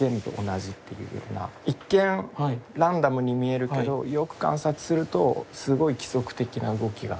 一見ランダムに見えるけどよく観察するとすごい規則的な動きがあって。